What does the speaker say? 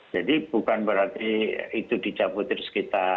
jadi bukan berarti itu dicabut terus kita